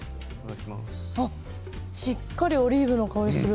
しっかりとオリーブの香りがする。